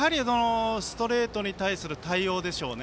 ストレートに対する対応でしょうね。